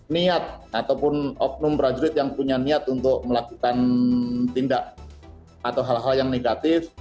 niat ataupun oknum prajurit yang punya niat untuk melakukan tindak atau hal hal yang negatif